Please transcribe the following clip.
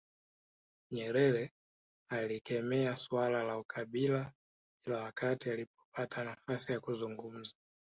Nyerere alikemea suala la ukabila kila wakati alipopata nafasi ya kuzungumza